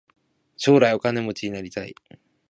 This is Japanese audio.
将来お金持ちになりたい。